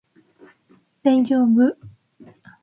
大丈夫